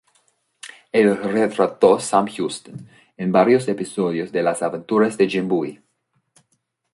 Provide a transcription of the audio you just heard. Él retrató Sam Houston en varios episodios de Las aventuras de Jim Bowie.